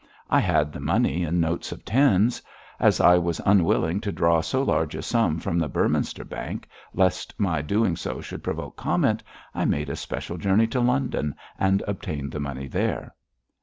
'I had the money in notes of tens. As I was unwilling to draw so large a sum from the Beorminster Bank, lest my doing so should provoke comment, I made a special journey to London and obtained the money there.'